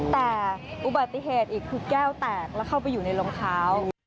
แต่อุบัติเหตุอีกคือแก้วแตกแล้วเข้าไปอยู่ในรองเท้า